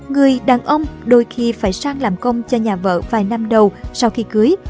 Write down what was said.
người đàn ông đôi khi phải sang làm công cho nhà vợ vài năm đầu sau khi cưới